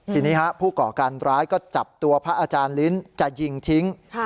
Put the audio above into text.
ทีนี้ผู้ก่อการร้ายก็จับตัวพระอาจารย์ลิ้นจะยิงทิ้ง